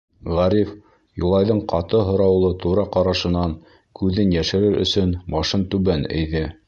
Ғариф, Юлайҙың ҡаты һораулы тура ҡарашынан күҙен йәшерер өсөн, башын түбән эйҙе.